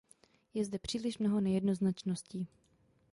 Je zde příliš mnoho nejednoznačností.